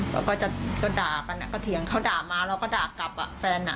แล้วก็จะด่ากันก็เถียงเขาด่ามาแล้วก็ด่ากลับแฟน